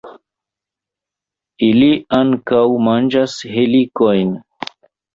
Ili ankaŭ manĝas helikojn.